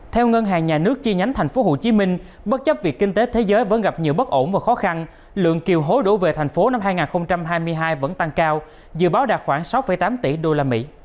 theo ngân hàng nhà nước chi nhánh tp hcm bất chấp việc kinh tế thế giới vẫn gặp nhiều bất ổn và khó khăn lượng kiều hối đổ về thành phố năm hai nghìn hai mươi hai vẫn tăng cao dự báo đạt khoảng sáu tám tỷ usd